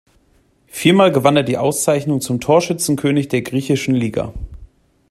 Viermal gewann er die Auszeichnung zum Torschützenkönig der griechischen Liga.